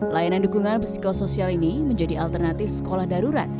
layanan dukungan psikosoial ini menjadi alternatif sekolah darurat